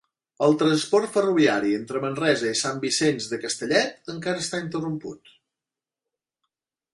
El transport ferroviari entre Manresa i Sant Vicenç de Castellet encara està interromput